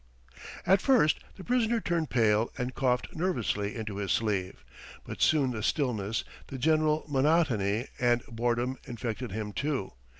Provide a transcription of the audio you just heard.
At first the prisoner turned pale and coughed nervously into his sleeve, but soon the stillness, the general monotony and boredom infected him too.